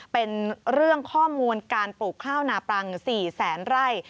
เป็นเรื่องข้อมูลการปลูกข้าวนาปรัง๔แสนไร่